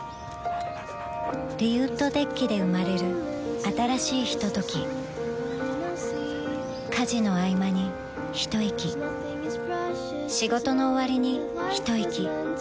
リウッドデッキで生まれる新しいひととき家事のあいまにひといき仕事のおわりにひといき